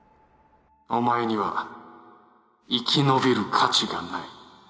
お前には生き延びる価値がない